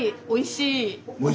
おいしい？